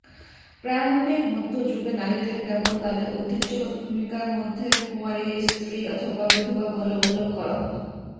প্রারম্ভিক মধ্য যুগে নারীদের কেবল তাদের ঐতিহ্যগত ভূমিকা মধ্যে কুমারী, স্ত্রী, অথবা বিধবা বলে উল্লেখ করা হত।